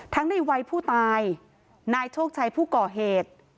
ในวัยผู้ตายนายโชคชัยผู้ก่อเหตุ